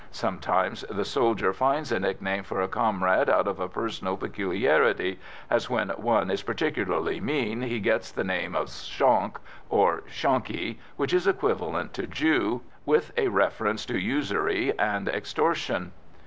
Sometimes the soldier finds a nickname for a comrade out of a personal peculiarity, as when one is particularly mean he gets the name of "Shonk," or "Shonkie," which is equivalent to "Jew," with a reference to usury and extortion.